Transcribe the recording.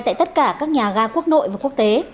tại tất cả các nhà ga quốc nội và quốc tế